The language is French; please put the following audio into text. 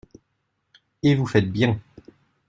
Et vous faites bien !